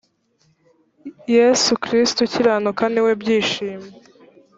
yesu kristo ukiranuka niwe byishimo.